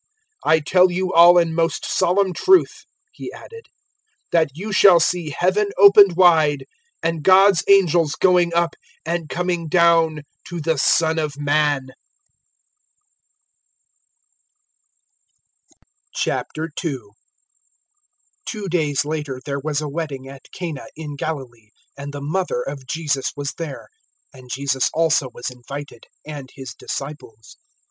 001:051 "I tell you all in most solemn truth," He added, "that you shall see Heaven opened wide, and God's angels going up, and coming down to the Son of Man." 002:001 Two days later there was a wedding at Cana in Galilee, and the mother of Jesus was there, 002:002 and Jesus also was invited and His disciples.